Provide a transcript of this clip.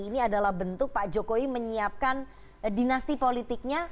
ini adalah bentuk pak jokowi menyiapkan dinasti politiknya